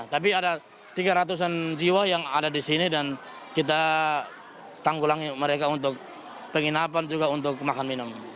tapi ada tiga ratus an jiwa yang ada di sini dan kita tanggulangi mereka untuk penginapan juga untuk makan minum